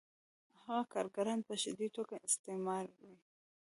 هغه کارګران په شدیده توګه استثماروي